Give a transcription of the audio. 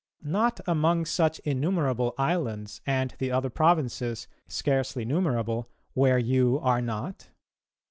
Not among such innumerable islands and the other provinces, scarcely numerable, where you are not?